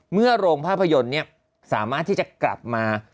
เมื่อโรงภาพยนตร์นี้สามารถที่จะกลับมา